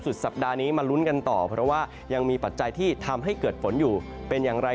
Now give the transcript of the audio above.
สัปดาห์นี้มาลุ้นกันต่อเพราะว่ายังมีปัจจัยที่ทำให้เกิดฝนอยู่เป็นอย่างไร